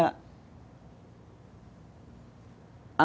angkat topik kepada kita